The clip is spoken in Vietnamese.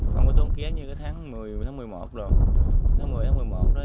không có tốn kéo như cái tháng một mươi tháng một mươi một rồi